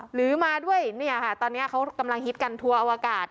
หรือมาด้วยเนี่ยค่ะตอนนี้เขากำลังฮิตกันทัวร์อวกาศ